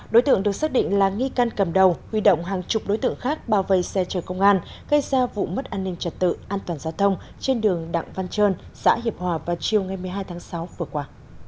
đối tượng được xác định là nghi can cầm đầu huy động hàng chục đối tượng khác bao vây xe chở công an gây ra vụ mất an ninh trật tự an toàn giao thông trên đường đặng văn trơn xã hiệp hòa vào chiều ngày một mươi hai tháng sáu vừa qua